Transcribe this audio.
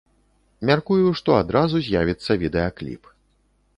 Мяркую, што адразу з'явіцца відэакліп.